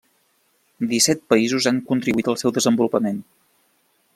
Disset països han contribuït al seu desenvolupament.